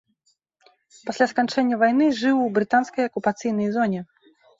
Пасля сканчэння вайны жыў у брытанскай акупацыйнай зоне.